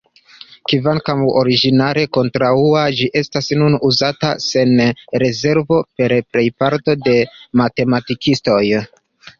Kvankam originale kontraŭa, ĝi estas nun uzata sen rezervo per plejparto de matematikistoj.